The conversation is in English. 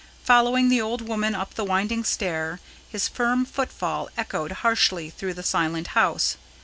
Following the old woman up the winding stair, his firm footfall echoed harshly through the silent house.